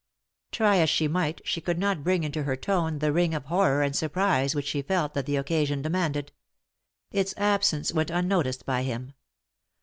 Try as she might she could not bring into her tone the ring of horror and surprise which she felt that the occasion demanded. Its absence went un noticed by him.